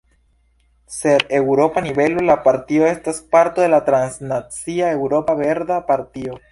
Sur eŭropa nivelo, la partio estas parto de la transnacia Eŭropa Verda Partio.